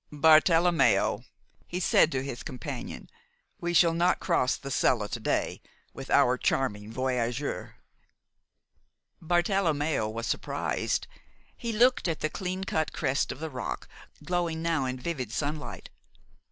"Bartelommeo," he said to his companion, "we shall not cross the Sella to day with our charming voyageur." Bartelommeo was surprised. He looked at the clean cut crest of the rock, glowing now in vivid sunlight.